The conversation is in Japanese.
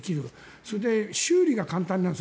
それで修理が簡単なんです。